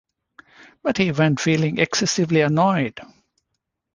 But he went feeling excessively annoyed.